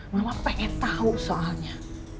mama pengen tahu soalnya